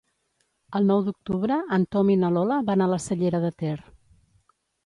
El nou d'octubre en Tom i na Lola van a la Cellera de Ter.